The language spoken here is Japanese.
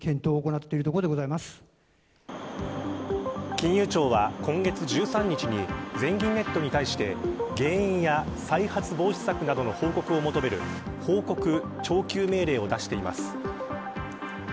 金融庁は、今月１３日に全銀ネットに対して、原因や再発防止策などの報告を求める報告徴求命令を出しています。